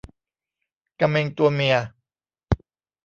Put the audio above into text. กะเม็งตัวเมีย